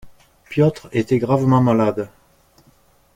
Piotr était gravement malade.